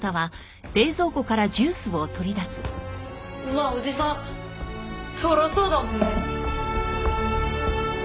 まあおじさんとろそうだもんね。